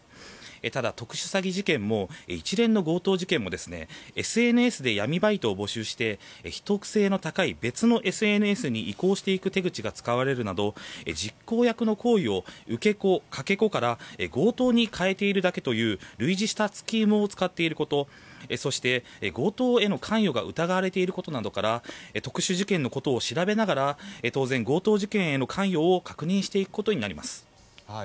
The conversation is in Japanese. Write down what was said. ただ、特殊詐欺事件も一連の強盗事件もＳＮＳで闇バイトを募集して秘匿性の高い別のＳＮＳに移行していく手口が使われるなど、実行役の行為を受け子、かけ子から強盗に変えているだけという類似したスキームを使っていることそして、強盗への関与が疑われていることから特殊事件のことを調べながら当然、強盗事件への関与を確認していくことになります。